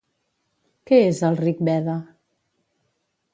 Què és el Rigveda?